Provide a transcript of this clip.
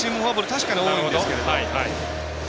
確かに多いんですけど。